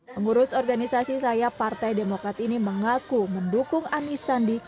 pengurus organisasi saya partai demokrat ini mengaku mendukung anies sandi